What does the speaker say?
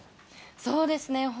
そうですね。